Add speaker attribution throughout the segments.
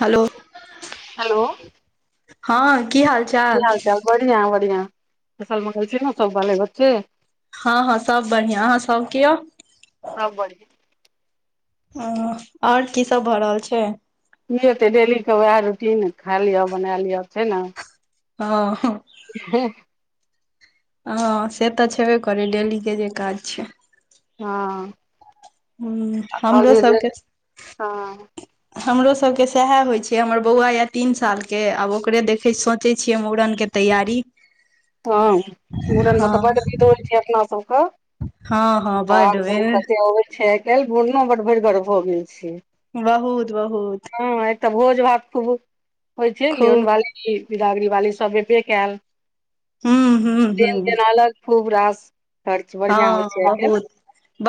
Speaker 1: Hello.
Speaker 2: Hello.
Speaker 1: हँ की हाल।
Speaker 2: की हाल चाल बढ़ियां बढ़ियां, कुशल मंगल छी ने सब बाले बच्चे।
Speaker 1: हँ हँ सभ बढ़िआँ अहाँ सब कियो।
Speaker 2: सब बढ़ियां।
Speaker 1: और की सब भऽ रहल छै।
Speaker 2: कि हेतै डेली के वैह रूटीन खा लिअ बना लिअ छै ने।
Speaker 1: हं।
Speaker 2: हँ।
Speaker 1: हँ से तऽ छेबे करै डेली के जे काज छै।
Speaker 2: हँ।
Speaker 1: हुं, हमरो
Speaker 2: कॉलेज
Speaker 1: सबके
Speaker 2: हँ
Speaker 1: हमरो सबके सएह होइ छै हमर बौआ ये तीन साल के, आब ओकरे देखैत सोचै छियै मुड़नके तैयारी।
Speaker 2: हँ मूड़नमे
Speaker 1: हँ
Speaker 2: तऽ बड विध होइ छै अपना सभके।
Speaker 1: हँ हँ
Speaker 2: भार
Speaker 1: बड
Speaker 2: दौर कते अबै छै आइ काल्हि बोढ़नो बड भरिगर भऽ गेल छै।
Speaker 1: बहुत बहुत।
Speaker 2: हँ एक त भोज भात खूब होइ छै,
Speaker 1: खूब
Speaker 2: लियौनबाली, बिदागरी बाली सब एबे कैल।
Speaker 1: हुं हुं।
Speaker 2: बेन केलक खूब रास, खर्च बढ़िआं होइ
Speaker 1: हँ
Speaker 2: छै।
Speaker 1: बहुत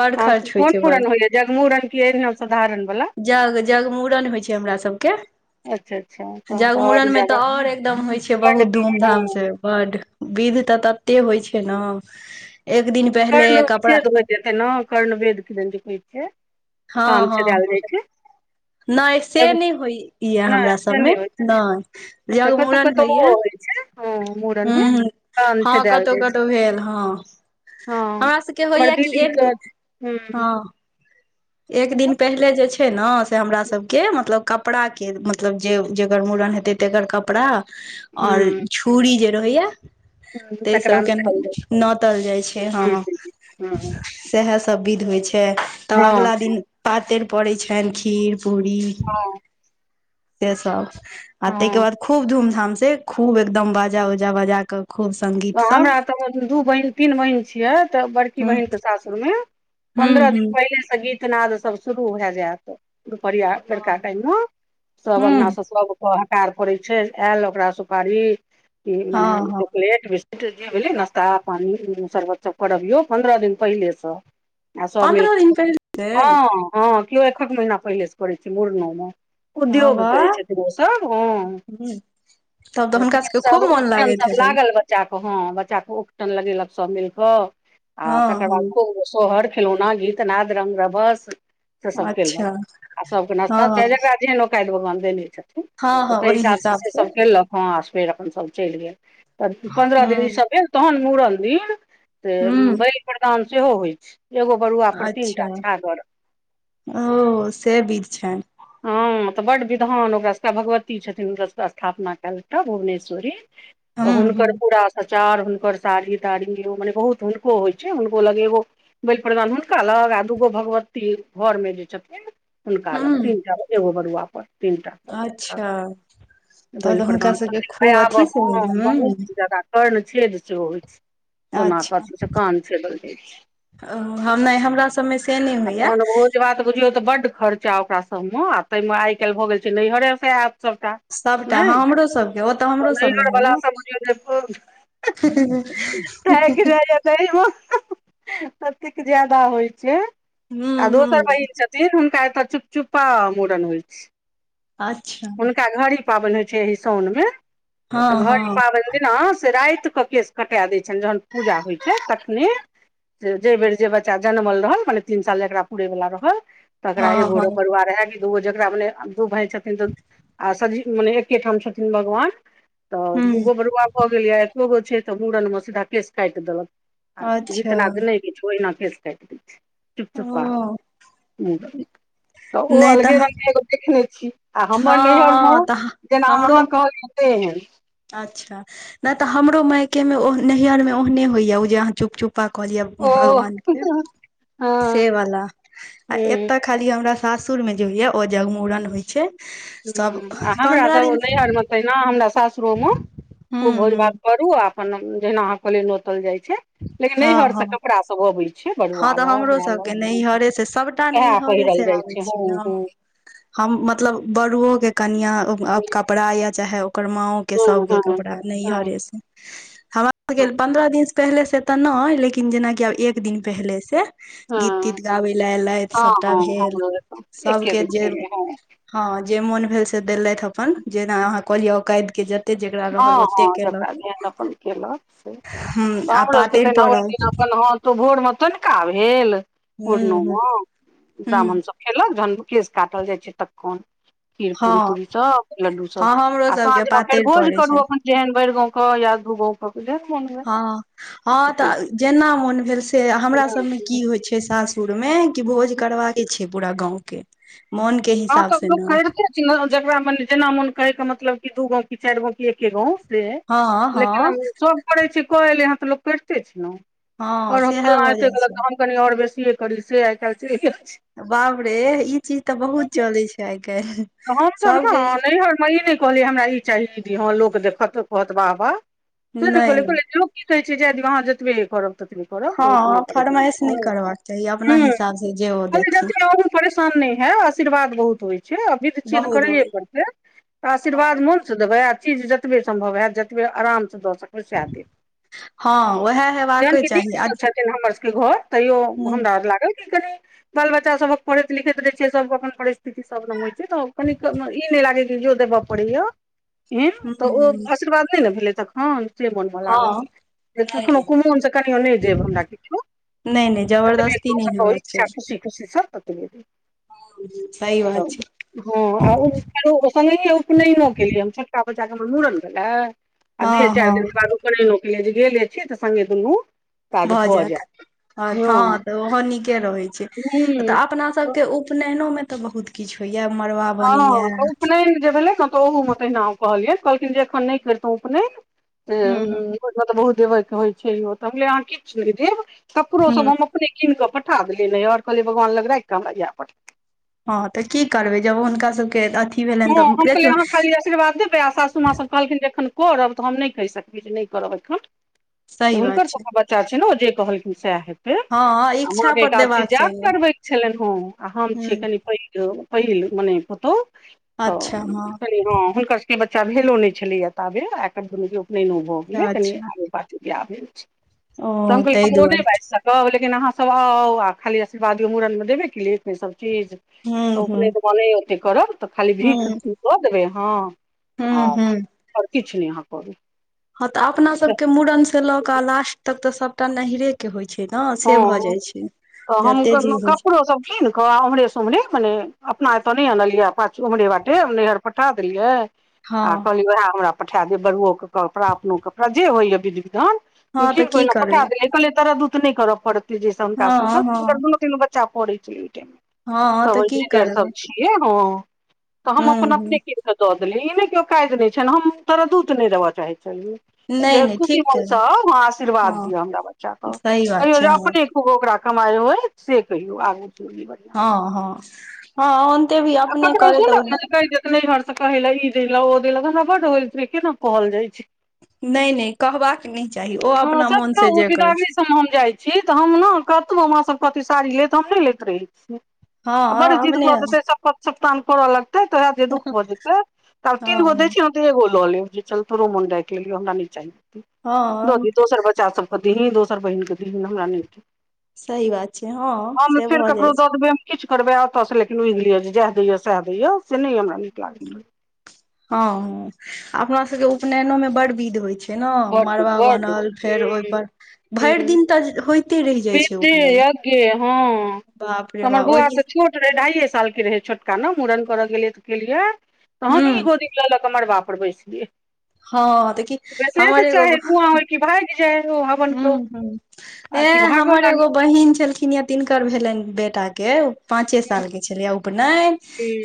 Speaker 1: बड़
Speaker 2: सभ के
Speaker 1: खर्च होइ
Speaker 2: कोन
Speaker 1: छै बड़
Speaker 2: मूड़न होइये जगमूड़न की अहिना सधारणवला।
Speaker 1: जग जग मूड़न होइ छै हमरा सबके,
Speaker 2: आओर
Speaker 1: जगमूड़न में तऽ
Speaker 2: ज्यादा
Speaker 1: और एकदम होइ छै
Speaker 2: कर्ण
Speaker 1: बहुत
Speaker 2: भी
Speaker 1: धूम
Speaker 2: ओ
Speaker 1: धाम से। बड, विध तऽ तते होइ छै ने, एक दिन पहिले कपड़ा
Speaker 2: कर्णेवेदो होइत हेतै ने कर्णवेद किदन जे होइ छै, कान छेदाएल जाइ छै।
Speaker 1: नै से
Speaker 2: एगो
Speaker 1: नै होइये
Speaker 2: नहि
Speaker 1: हमरा
Speaker 2: से नहि
Speaker 1: सभमे,
Speaker 2: होइ छै
Speaker 1: नै।
Speaker 2: अच्छा कतहुं-कतहुं ओहो होइ छैय। हां मुड़नमे
Speaker 1: हूँ हूँ
Speaker 2: कान
Speaker 1: हँ
Speaker 2: छेदाएल
Speaker 1: कतहु
Speaker 2: जाय छैय।
Speaker 1: कतहु भेल हँ
Speaker 2: हां
Speaker 1: हमरा सबके
Speaker 2: हमर
Speaker 1: होइया कि
Speaker 2: दीदी
Speaker 1: एक
Speaker 2: कऽ हूॅं।
Speaker 1: हँ एक दिन पहिले जे छैय। छैय ने से हमरा सबके मतलब कपड़ाके मतलब जे जकर मूड़न हेतै तकर कपड़ा। और
Speaker 2: हूँ
Speaker 1: छूरि जे रहैया। तैय
Speaker 2: तकरा नहि
Speaker 1: सभके
Speaker 2: कहल
Speaker 1: के नोतल जाइ छैय,
Speaker 2: जाइ
Speaker 1: हां।
Speaker 2: छै हूँ हूँ
Speaker 1: सएह सभ विध होइ छैय तब
Speaker 2: हँ
Speaker 1: अगिला दिन पातिर पड़ैत छनि खीर-पूरी।
Speaker 2: हां
Speaker 1: तैय सब अ तेके
Speaker 2: हँ
Speaker 1: बाद खूब धूमधाम से खूब एकदम बाजा उजा बजा कऽ खूब संगीत
Speaker 2: हँ।
Speaker 1: सब
Speaker 2: हमरा तऽ दू बहिन, तीन बहिन छियै तऽ बड़की
Speaker 1: ह
Speaker 2: बहिनके सासुरमे
Speaker 1: हूं
Speaker 2: पन्द्रह दिन
Speaker 1: हूं
Speaker 2: पहिलेसे गीतनादसभ शुरू भए जायत। दुपहरिया
Speaker 1: हँ
Speaker 2: बेरका टाइम में सब अंगना
Speaker 1: हूं
Speaker 2: से सब हकार पुड़ै छैय, आयल ओकरा सुपारी ई मने
Speaker 1: हँ हँ
Speaker 2: चाॅकलेट। जे भेलै नास्ता पानी सर्बत सब कराबियौ पन्द्रह दिन पहिलेसे। आ सभ मिल
Speaker 1: पन्द्रह दिन
Speaker 2: कऽ
Speaker 1: पहिले से
Speaker 2: हां हां किओ एखक महिना पहिलेसे करै छैय मुड़नोमे।
Speaker 1: हँ
Speaker 2: उद्योग करैय
Speaker 1: वाह
Speaker 2: छथिन, ओसभ हां
Speaker 1: हूं तब तऽ हुनका
Speaker 2: तखने
Speaker 1: सबके खूब
Speaker 2: सब
Speaker 1: मोन
Speaker 2: उपनेयन
Speaker 1: लागैत
Speaker 2: सब
Speaker 1: हेतनि
Speaker 2: लागल रह बच्चा के ह बच्चा के उपटन लगेलक सब मिल कऽ आ
Speaker 1: हँ
Speaker 2: तकर बाद
Speaker 1: हँ
Speaker 2: खूब सोहर खिलौना गीत नाद रंग रभस। से सभ कयेलक
Speaker 1: अच्छा
Speaker 2: आ सभके
Speaker 1: हँ
Speaker 2: नाश्ता
Speaker 1: हँ
Speaker 2: चाय जकरा जेहन औकादि भगवान देने छथिन।
Speaker 1: हँ
Speaker 2: तऽ
Speaker 1: हँ
Speaker 2: ताहि
Speaker 1: ओहि
Speaker 2: हिसाबसे
Speaker 1: हिसाब
Speaker 2: से सब कयेलक हां फेर अपनसभ चलि गेल तऽ पन्द्रह दिन
Speaker 1: हूं
Speaker 2: ईसभ भेल तहन मूड़न दिन तऽ
Speaker 1: हूं
Speaker 2: बलि प्रदान सेहो होइ छैय एगो बरुआपर तीन टा छागर।
Speaker 1: ओह से बीध छैन।
Speaker 2: हां तऽ बड्ड विधान ओकरा सभके भगवती छथिन हुनका सभके स्थापना कयलता भुवनेश्वरी। तऽ
Speaker 1: हूँ हूँ
Speaker 2: हुनकर पुरा सचार हुनकर साड़ी-ताड़ी जे मने बहुत हुनको होइ छैय, हुनको लगेगो बलि प्रदान हुनका लग आ दूगो भगवती घरमे जे छथिन हुन
Speaker 1: हूँ
Speaker 2: तीन टा एगो बरुआ पर। पर
Speaker 1: अच्छा तब
Speaker 2: बलि
Speaker 1: तऽ हुनका
Speaker 2: प्रदान
Speaker 1: सबके
Speaker 2: ततेक
Speaker 1: खूब अथी
Speaker 2: भयावह
Speaker 1: से
Speaker 2: हां
Speaker 1: भेल हूँ
Speaker 2: बहुत ज्यादा कर्ण छेद सेहो होइ छैय। सोनाके
Speaker 1: अच्छा
Speaker 2: अथि से कान छेदल जाय छैय।
Speaker 1: ओ हम नैय हमरा सभमे से नैय
Speaker 2: आ
Speaker 1: होइया।
Speaker 2: तहन भोज भात बुझियौ तऽ बड्ड खर्चा ओकरा सब मे आ ताहि मे आइ काल्हि भऽ गेल छैय, नैहरे से आयत सबटा
Speaker 1: सबटा
Speaker 2: नहि
Speaker 1: हां हमरो सभके ओतऽ
Speaker 2: तऽ
Speaker 1: हमरो
Speaker 2: नैहर
Speaker 1: सभमे
Speaker 2: वला
Speaker 1: हैये।
Speaker 2: सब बुझियौ जे
Speaker 1: हंसना [inaudible]
Speaker 2: तऽ ततेक जादा होइ छैय
Speaker 1: हूँ
Speaker 2: आ दोसर
Speaker 1: हूँ
Speaker 2: बहिन छथि। ताहि हुनका एतऽ चुपचुपा मूड़न होइ छैय।
Speaker 1: अच्छा
Speaker 2: हुनका घड़ी पाबनि होइ छैय, एहि साउन मे तऽ
Speaker 1: हँ
Speaker 2: घड़ी
Speaker 1: हँ
Speaker 2: पाबनि जेना से रातिक कऽ केश कटा दैय छनि जहन पूजा होइ छैय तखने। जे बेर जे बच्चा जनमल रहल मने तीन साल जकरा पुरैय वला रहल। तकरा
Speaker 1: हँ
Speaker 2: एगो
Speaker 1: हँ
Speaker 2: बरूआ रहे कि दूगो जेकरा मने दू भाय छथिन तऽ आ सझीक मने एकेठाम छथिन भगवान तऽ
Speaker 1: हूँ
Speaker 2: दूगो बरुआ भऽ गेल य एको गो छै तऽ मूड़न में सीधा केश काटि देलक आ गीत
Speaker 1: अच्छा
Speaker 2: नाद नै किछु ओहिना केस काटी दै छै। चुपचुप्पा,
Speaker 1: ओ
Speaker 2: [unintelligible] तऽ ओ
Speaker 1: नहि
Speaker 2: अलगे
Speaker 1: तऽ
Speaker 2: रंग के एगो देखने छी। आ
Speaker 1: हँ
Speaker 2: हमर नैहरमे
Speaker 1: हँ तऽ
Speaker 2: जेना
Speaker 1: हमरो
Speaker 2: अहाँ कहलीये तेहन।
Speaker 1: अच्छा नहि तऽ हमरो मायके मे नैहर मे ओहने होइया ओ जे अहाँ चुप चुप पा कहलिय
Speaker 2: ओह
Speaker 1: भगवान के
Speaker 2: हँ
Speaker 1: से वाला आ
Speaker 2: हूँ
Speaker 1: एत्त खाली हमरा सासुरमे जे होइए ओ जगमूड़न होइ छै। सब
Speaker 2: ह आ हमरा
Speaker 1: पन्द्रह
Speaker 2: सब
Speaker 1: दिन
Speaker 2: नैहर में तहिना हमरा सासुरोमे खूब
Speaker 1: हूं
Speaker 2: भोज
Speaker 1: हूं
Speaker 2: भात करू आ अपन जहिना अहाँ कहलिये नोतल जाइ छै। लेकिन
Speaker 1: हँ
Speaker 2: नैहर से
Speaker 1: हँ
Speaker 2: कपड़ा सब अबै छै
Speaker 1: हँ
Speaker 2: बरुआ
Speaker 1: तऽ
Speaker 2: लग
Speaker 1: हमरो
Speaker 2: माय
Speaker 1: सबके
Speaker 2: लग
Speaker 1: नैहरे से सभटा
Speaker 2: सएह
Speaker 1: नैहरे
Speaker 2: पहिरल
Speaker 1: से
Speaker 2: जाइ
Speaker 1: आबै छै
Speaker 2: हँ
Speaker 1: ना। हम मतलब बड़ुओ के कनिया कपड़ा ये चाहे ओकर माओ के सब
Speaker 2: हँ
Speaker 1: के
Speaker 2: हँ
Speaker 1: कपड़ा नैहरे से हमरा सब के
Speaker 2: हँ
Speaker 1: पन्द्रह दिन पहिले से तऽ नय लेकिन जेनाकि आब एक एक दिन पहिले से
Speaker 2: हँ
Speaker 1: गीत
Speaker 2: हँ हँ
Speaker 1: तीत गाबै लए एयलथि
Speaker 2: हँ
Speaker 1: सबटा
Speaker 2: हँ
Speaker 1: भेल।
Speaker 2: हमरो एतऽ एके
Speaker 1: सबके
Speaker 2: दिन
Speaker 1: जे
Speaker 2: पहिले हँ।
Speaker 1: हँ जे मोन भेल से देलथि अपन जेना अहाँ कहलियै औकाद के जते जेकरा रहल
Speaker 2: हँ हँ
Speaker 1: ओते केलक
Speaker 2: जकरा जेहन अपन केलक से
Speaker 1: हूँ
Speaker 2: तऽ
Speaker 1: आ
Speaker 2: हमरो सभके
Speaker 1: पातरि
Speaker 2: तेना
Speaker 1: पड़ल
Speaker 2: ओहि दिन अपन हँ तो भोर मे तनुका भेल
Speaker 1: हूँ
Speaker 2: मुड़नो
Speaker 1: हूँ
Speaker 2: मे ब्राह्मण
Speaker 1: हूँ
Speaker 2: सब खेलक जहन केश काटल जाइ छै तखन। खीर पूरी
Speaker 1: हँ
Speaker 2: तूरी सब लड्डू सब
Speaker 1: हँ हमरो
Speaker 2: आ साँझ
Speaker 1: सबके
Speaker 2: मे फेर
Speaker 1: पातरि
Speaker 2: भोज
Speaker 1: पड़ै
Speaker 2: करू
Speaker 1: छै
Speaker 2: अपन जेहन भैर गांव करा या दु गांव अपन जेहन मोन भेल।
Speaker 1: हँ हँ तऽ जेना मोन भेल से हमरा सभमे की होइ छै सास सुर मे भोज करबाके छै पूरा गाँव के मोन के
Speaker 2: हँ
Speaker 1: हिसाब
Speaker 2: तऽ
Speaker 1: से
Speaker 2: लोक
Speaker 1: नहि
Speaker 2: करिते छै ना जकरा जेना मोन कहैके मतलब कि दू गाँव क चारि गाँव क एके गाँव। से
Speaker 1: हँ
Speaker 2: लेकिन
Speaker 1: हँ
Speaker 2: उ सब करै छै क एलै हन तऽ लोक करिते छै ना।
Speaker 1: हँ
Speaker 2: और हम
Speaker 1: सएह
Speaker 2: फल्लाँ
Speaker 1: भऽ
Speaker 2: एतेक
Speaker 1: जाइ
Speaker 2: केलक
Speaker 1: छै
Speaker 2: तऽ हम कनि और बेसिए करी से आइ काल्हि छे।
Speaker 1: बाप रे ई चीज तऽ बहुत चलै छै आइ काल्हि।
Speaker 2: त हमसभ ने
Speaker 1: सबके ई
Speaker 2: नैहरमे ई नहि कहलियै हमरा ई चाही इ दियऽ हँ लोक देखत कहत बाह बाह। से नय
Speaker 1: नहि
Speaker 2: कहलिये
Speaker 1: नहि
Speaker 2: कहलिए लोक की कहै छै जा दियो आहाँ जतबे करब। ततबे करब बहुत नै
Speaker 1: हँ
Speaker 2: परेशान
Speaker 1: फरमाइश नहि
Speaker 2: होउ,
Speaker 1: करबाक चाही अपना
Speaker 2: हँ
Speaker 1: हिसाबसँ जे ओ
Speaker 2: हु
Speaker 1: देथिन
Speaker 2: जतबे रहतय परेशान नहि हैबआशीर्वाद बहुत होइ छै आ विध छिये ते
Speaker 1: बहुत
Speaker 2: करैए परतै आशीर्वाद
Speaker 1: बहुत
Speaker 2: मो स देबै आ चीज जतबे सम्भव हैत जतबे आराम से दऽ सकबे सेह देब
Speaker 1: हँ उएह
Speaker 2: जहन
Speaker 1: हेबाके
Speaker 2: की
Speaker 1: चाही
Speaker 2: नीक
Speaker 1: आ
Speaker 2: सँ छैथ थिन हमर सब के घर तैयो
Speaker 1: ह
Speaker 2: हमरा लागल कि कनि बाल बच्चा सबहक पढ़ैत लिखैत रहै छियै सब अपन परिस्थिति सब रंग होइ छै तऽ कनिक ई नै लागै जो ओ देबऽ पड़ैय।
Speaker 1: ह
Speaker 2: तऽ ओ आशीर्वाद नय ने भेलै तखन। से मोनमे लागल
Speaker 1: हँ
Speaker 2: जे कखनो
Speaker 1: नहि
Speaker 2: कुमोन से कनियो नइ देब हमरा किच्छो।
Speaker 1: नहि नहि
Speaker 2: जतबे
Speaker 1: जबरदस्ती
Speaker 2: दऽ
Speaker 1: नहि
Speaker 2: से
Speaker 1: हेबाक
Speaker 2: इच्छा
Speaker 1: चाही
Speaker 2: खुशी खुशी सब ततबे देबय।
Speaker 1: सही बात छै।
Speaker 2: हँ आ उ संगैहो उपनयनो केलियै हम छोटका बच्चाके हमर मूड़न भेलै आ दुइये
Speaker 1: हँ
Speaker 2: चाइर
Speaker 1: हँ
Speaker 2: दिनके बादक उपनैनो केलियै जे गेले छी तऽ संगे दुनू
Speaker 1: भऽ जायत हँ तऽ ओहो नीके रहै छै तऽ अपना सभ के उपनैनोमे तऽ बहुत किछु होइये मड़बा बनै
Speaker 2: हँ
Speaker 1: या।
Speaker 2: तऽ उपनयन मे जे भेलै ने त ओहू मे तहिना हम कहलियैन कहलखिन जे एखन नहि करितहुँ उपनैन अ अ
Speaker 1: हूँ
Speaker 2: ओइमे तऽ बहुत देबय के होइ छै ओ तऽ हम कहलियै अहाँ किछ नै देब कपड़ो सब
Speaker 1: हूँ ह
Speaker 2: हम अपने कीन कऽ पठा देलियै नैहर कहलियै भगवान लग राखि कऽ हमरा येएह पठा
Speaker 1: हँ तऽ की करबै जब हुनका सबके अथी भेलैन तऽ [unintelligible]
Speaker 2: तकर बाद जेबै सासूमाँ सब कहलखिन जे एखन करब तऽ हम नै कहि सकबै जे नै करब एखन। त
Speaker 1: सही
Speaker 2: हुनकर
Speaker 1: बात छै
Speaker 2: सबहक बच्चा छै ने ओ जे कहलखिन सेएह
Speaker 1: हँ
Speaker 2: कहियौ माँ
Speaker 1: इच्छा
Speaker 2: के
Speaker 1: पर
Speaker 2: एकादशी
Speaker 1: देबाक
Speaker 2: जाप
Speaker 1: चाहिए
Speaker 2: करबैक छलैन हं आ हम छियै
Speaker 1: हूँ
Speaker 2: कनि पैघ लोक पहिल मने पुतौह तऽ
Speaker 1: अच्छा हँ
Speaker 2: कनि हं - हुनकर स बच्चा भेलो नै छलैये ताबे आ एकर दुनू के उपनयनो भऽ
Speaker 1: अच्छा
Speaker 2: गेलै
Speaker 1: अच्छा
Speaker 2: कनिये बादे बियाह भेल छै त हम
Speaker 1: ओ
Speaker 2: कहलियै
Speaker 1: ताहि
Speaker 2: हम ओ नै
Speaker 1: दुआरे
Speaker 2: बाइज सक कहब लेकिन अहाँ सब आउ आ खाली आशीर्वाद दियौ मूड़न मे देबे केलियै सब चीज
Speaker 1: हूँ
Speaker 2: त
Speaker 1: हूँ
Speaker 2: उपनैन मे नै ओते करब त खाली भीख
Speaker 1: हूँ
Speaker 2: दऽ देबै अहाँ आ
Speaker 1: हूँ हूँ
Speaker 2: और किछ नै अहाँ करू।
Speaker 1: हँ त अपना सबके मूड़न से लऽ कऽ लास्ट तक त सबटा नैहरे के के होइ छै न से भऽ
Speaker 2: हँ
Speaker 1: जाइ छै जते जे होइ।
Speaker 2: किन कऽ ओम्हरे सँ ओम्हरे मने अपना एत नै अनलियै आ पाछू ओम्हरे बाटे नैहर पठा देलियै। आ
Speaker 1: हँ
Speaker 2: कहलियै उहेए हमरा पठेए देब बरूवो के कपड़ा अपनो कपड़ा जे होइये विधि- विधान। हम
Speaker 1: हँ तऽ
Speaker 2: कीन के
Speaker 1: की
Speaker 2: ओहिना पठेए
Speaker 1: करबै
Speaker 2: देलियै कहलियै तरद्दूत नै करऽ पड़तै जै से हुनका
Speaker 1: हँ
Speaker 2: सबके हुनकर
Speaker 1: हँ
Speaker 2: दुनू तीनू बच् बच्चा पढ़ै छै ओइ टाइम मे
Speaker 1: हँ
Speaker 2: सब
Speaker 1: तऽ की
Speaker 2: इंजीनियर
Speaker 1: करबै
Speaker 2: सब छै। यै हँ तऽ
Speaker 1: हूँ
Speaker 2: हम अपन अपने
Speaker 1: हूँ
Speaker 2: कीन के दऽ देलीयै ई नै कि औकाइद नै छनि हम तरद्दूत नहि देबऽ चाहै छलियै।
Speaker 1: नहि
Speaker 2: जे
Speaker 1: नहि
Speaker 2: खुशी
Speaker 1: ठीक
Speaker 2: मोन सँ
Speaker 1: केलहुँ
Speaker 2: हॅं आशीर्वाद
Speaker 1: हँ
Speaker 2: दियऽ हमरा बच्चा कऽ।
Speaker 1: सही बात
Speaker 2: कहियौ
Speaker 1: छै
Speaker 2: जे
Speaker 1: हँ
Speaker 2: अपने खूब ओकरा कमाइ होइ से कहियौ आगू के जीवन मे।
Speaker 1: हँ हँ हँ ओन्ते भी अपने करै तऽ
Speaker 2: नइहर से कहय ले ई दै ले ओ दैले हमरा बड्ड होइत रहे केना कहल जाइ छै।
Speaker 1: नै नै कहबाक नहि चाही ओ अपना मोन से जे करथिन।
Speaker 2: कथु मे हम जाइ छी तऽ हम ने कतबो माँ सब कहती साड़ी ले तऽ हम नै लैत रहै छीयै। आ
Speaker 1: हँ
Speaker 2: बड्ड जिद
Speaker 1: अपने
Speaker 2: कऽ देतै शपथ सप्तान करऽ लगतै तऽ हैत जे दुःख भऽ जेतै तब तीन गो
Speaker 1: हँ
Speaker 2: दै छै त एगो लऽ लेब कि चल तोरो मोन राइख लेलियौ हमरा नै चाही। दऽ
Speaker 1: हँ
Speaker 2: दी दोसर बच्चा सब के दिहीन दोसर बहिन कऽ दीहीन हमरा नै दे।
Speaker 1: सही बात छै हँ से भऽ जाइ छै।
Speaker 2: किछ करबै आ ओतऽ सँ लेकिन बुइझ लिय जेएह दैयऽ सेएह दैयऽ से नै हमरा नीक लागैत रहैये।
Speaker 1: हँअ अपना सबके उपनैनो में बड विध होइ छै। जेना
Speaker 2: बड्ड
Speaker 1: मड़बा
Speaker 2: बड्ड
Speaker 1: बनल फेर ओहि पर
Speaker 2: हूं
Speaker 1: भरि
Speaker 2: हूं
Speaker 1: दिन त होइत
Speaker 2: विधि यज्ञे हँ
Speaker 1: बाप रे
Speaker 2: हमर
Speaker 1: बाप
Speaker 2: बौवा
Speaker 1: ओहि
Speaker 2: तऽ छोट रहै ढा़ईये साल के रहै छोटका न मुड़न करऽ गेलियै त गेलियै तऽ हमही
Speaker 1: हूँ
Speaker 2: गोदी मे लऽ लऽ कऽ मड़बा पर बैसलियै।
Speaker 1: हँ देखि
Speaker 2: बैसैये
Speaker 1: हमर
Speaker 2: ने
Speaker 1: एगो
Speaker 2: चाहै धूवां होइ कि भाइग जाय ओ हवन कऽ।
Speaker 1: हँ। एं हमर एगो बहिन छलखिन ये तिनकर भेलनि बेटा के ओ पाँंचे
Speaker 2: लागै
Speaker 1: साल के छलैये उपनयन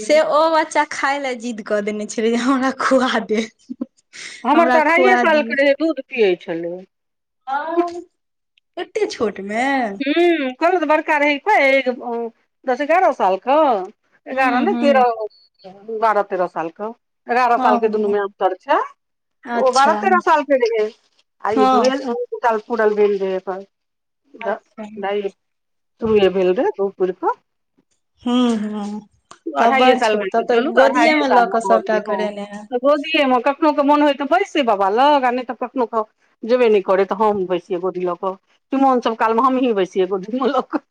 Speaker 1: से
Speaker 2: हूँ
Speaker 1: ओ बच्चा खाय ले जिद्द कऽ देने छलै जे हमरा खुवा दे।
Speaker 2: हमर
Speaker 1: हमरा
Speaker 2: तऽ अरहाइये
Speaker 1: खुआ
Speaker 2: सालके रहै दूध पियै छलै।
Speaker 1: एत्ते छोट मे?
Speaker 2: ह्म करो तऽ बड़का रहै कोइ दस एगारह साल क? एगारह
Speaker 1: हुं
Speaker 2: नहि
Speaker 1: हुं
Speaker 2: तेरह बारह तेरह सालकऽ। एगारह
Speaker 1: हँ
Speaker 2: साल के
Speaker 1: हँ
Speaker 2: दुनू मे अन्तर छै। त ओ
Speaker 1: अच्छा
Speaker 2: बारह तेरह साल के रहै आ ई
Speaker 1: हँ
Speaker 2: दुए साल पूरल भेल रहै पर धत
Speaker 1: अच्छा
Speaker 2: नहि तुए भेल रहै दु पुरक।
Speaker 1: हू ह तब
Speaker 2: अढ़ाइए
Speaker 1: बड़
Speaker 2: साल
Speaker 1: छोट
Speaker 2: मानि कऽ
Speaker 1: तब तऽ
Speaker 2: चलू
Speaker 1: गोदिये
Speaker 2: अढ़ाइए
Speaker 1: मे
Speaker 2: साल
Speaker 1: लऽ क
Speaker 2: भऽ गेलै
Speaker 1: सबटा
Speaker 2: हँ
Speaker 1: करेने हेब।
Speaker 2: तऽ गोदिये मे कखनो क मोन होइ तऽ बैस बाबा लग आ नहि तऽ कखनो क जेबे नहि करै तऽ हम बैसियै गोदी लऽक चुमान सभ काल मे हमहीं बैसियै गोदीमे लक।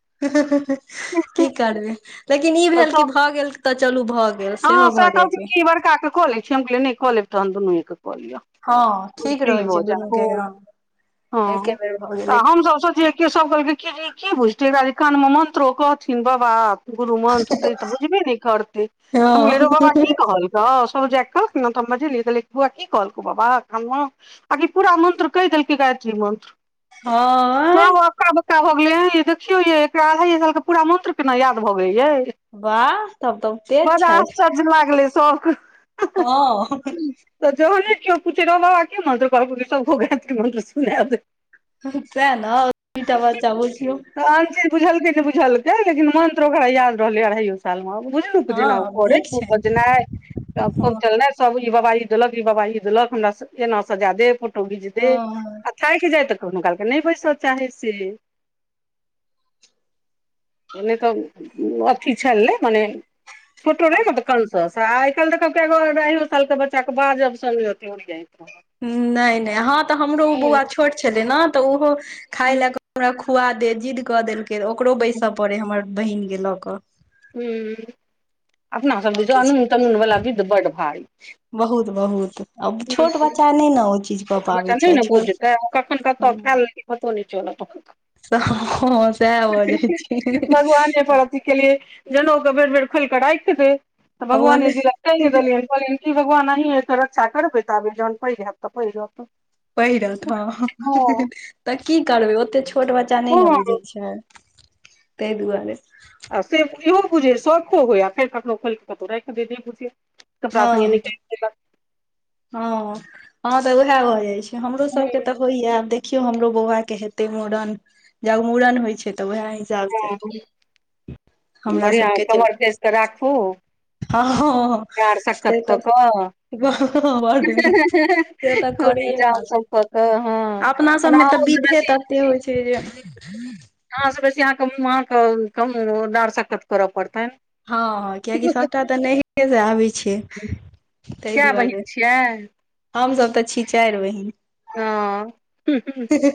Speaker 1: की करबै। लेकिन ई
Speaker 2: तऽ
Speaker 1: भेल कि
Speaker 2: सब
Speaker 1: भऽ गेल त चलू भऽ गेल सेहो भजाइ
Speaker 2: कब की बारका ककरो नै। छे हम कहलियै नै कलेब तहन दुन मिल कऽ कलिया।
Speaker 1: हँ ठीक
Speaker 2: हुड्डी
Speaker 1: रहै
Speaker 2: हो
Speaker 1: छै
Speaker 2: जा
Speaker 1: दुनू
Speaker 2: हो
Speaker 1: के हँ एके
Speaker 2: हँ
Speaker 1: बेर भऽ
Speaker 2: तऽ
Speaker 1: गेलै
Speaker 2: हम सब सोछिय। कियो सब कहलखिन की भुझतै कान मे मन्त्रो कहथिन बाबा। गुरु मन्त्र देतै तऽ बुझबे नहि करतै हम लेरो बाबा
Speaker 1: हँ
Speaker 2: की कहल तऽ सब जाक नाम ताम बाजेलियै कहलियै बौआ कि कहल कौ बाबा कानम। अकी पूरा मन्त्र कहि देल कै गायत्री मन्त्र।
Speaker 1: हँ।
Speaker 2: सब अक्का बक्का हो गेले अए देखियौ ये एकरा अढ़ाई साल के पूरा मंत्र केना याद भऽ गेलय ये।
Speaker 1: वाह तब तऽ तेज
Speaker 2: बर
Speaker 1: छथि
Speaker 2: आश्चर्च लागलै सौख-
Speaker 1: हँ।
Speaker 2: तऽ जहने केओ पूछे रौ बाबा की मन्त्र देलकौ सब कऽ गायत्री मन्त्र सुने देल
Speaker 1: सेन
Speaker 2: तहन जे बुझलकै नहि बुझलकै लेकिन मन्त्र ओकरा याद रहलै अढ़ाइयो सालम। बुझौक
Speaker 1: हँ
Speaker 2: जेना उ करै
Speaker 1: नीक
Speaker 2: खुब
Speaker 1: छनि
Speaker 2: बझनाई। त
Speaker 1: हँ
Speaker 2: पहुचल ने सब ई बाबा ई देलक ई बाबा ई देलक हमरा स एना सजादे फ बुझज दे
Speaker 1: हँ
Speaker 2: आ थाकि जाइ तऽ कोनो कालके नहि बैसा चाहे से। नै तऽ उ अथी छल ने मने छोटो रहे नेत कनस आइ काल्हि देखब एगो अढ़ायो सालके बच्चाके बाजब स एते ओरीई।
Speaker 1: नै-नै हँ तऽ हमरो उ
Speaker 2: हूँ
Speaker 1: बौआ छोट छलै न तऽ ओहो खाय
Speaker 2: हूँ
Speaker 1: लए कऽ हमरा खुआ दे जिद्द कऽ देलकै ओकरो बैसा पड़ै हमर बहिनके लऽक।
Speaker 2: ह्म अपना सब
Speaker 1: आओर
Speaker 2: दिस
Speaker 1: किछु
Speaker 2: अनून तनून वाला विद्ध बड भारी।
Speaker 1: बहुत बहुत अब
Speaker 2: हूँ
Speaker 1: छोट
Speaker 2: हूँ
Speaker 1: बच्चा नहि ने ओ चीज क
Speaker 2: बच्चा नहि ने बुझतै कखन कत खायलेल कै पतहो नहि चलत।
Speaker 1: सेह ह सेहे भजाइ
Speaker 2: भगवाने पर
Speaker 1: छैय।
Speaker 2: अथी केलियै जनउ के बेर-बेर खोल कऽ राखि दे तऽ
Speaker 1: हवल
Speaker 2: भगवाने जी लग टाइंग देलियै कहलियन भगवान अही रक्षा करबै तऽबे जहन पैघ हेत तऽ पहिरत।
Speaker 1: पहिरत ह तऽ की करबै ओते छोट बच्चा नहि ने बुझै
Speaker 2: हँ
Speaker 1: छै। तै दुआरे।
Speaker 2: आ से इहो बुझे शौखो होय आ फेर कखनो खोल कतहु राखि दे नै बुझियै कपड़ा सङ्गे
Speaker 1: हँ
Speaker 2: निकाइल अचछा
Speaker 1: हँ हँ तऽ उएह भऽ जाइ छै हमरो सबके तऽ होइया आब देखियौ हमरो बौआ के हेते मोड़न जग मुड़न होय छै ते वएह हेत चल से हमरा
Speaker 2: बढ़िया यै कमर कैस के राखू।
Speaker 1: हां-हां-हां।
Speaker 2: पैर सक्कत क क।
Speaker 1: बड से तऽ
Speaker 2: खुब
Speaker 1: करैए
Speaker 2: जाउ उ सब
Speaker 1: पड़तै
Speaker 2: क क हां।
Speaker 1: अपना सबमे तऽ बिधे तत्ते होइ छै जे
Speaker 2: अहाँ से बेसी अहाँके मुंह अहांके उम्म कम डार सक्कत करऽ पड़तैन।
Speaker 1: हां-हां कियाकि सबटा तऽ नहिरै से आबै छै तै
Speaker 2: कै बहिन
Speaker 1: दुआरे।
Speaker 2: छियै
Speaker 1: हम सब तऽ छी चाएर बहिन।
Speaker 2: हां हुं-हुं।